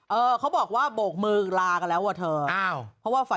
เออเขาบอกว่าโบกมือลากันแล้วเว้อเถอะ